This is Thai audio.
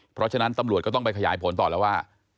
เพราะฉะนั้นตำรวจก็ต้องไปขยายผลต่อแล้วว่า